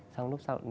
xong lúc sau